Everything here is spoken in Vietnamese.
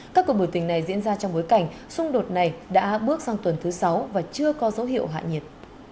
các cuộc biểu tình này diễn ra trong bối cảnh xung đột này đã bước sang tuần thứ sáu và chưa có dấu hiệu hạ nhiệt